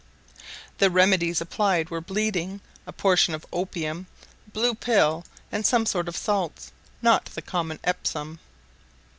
The remedies applied were bleeding, a portion of opium, blue pill, and some sort of salts not the common Epsom.